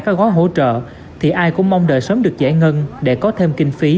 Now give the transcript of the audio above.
các gói hỗ trợ thì ai cũng mong đợi sớm được giải ngân để có thêm kinh phí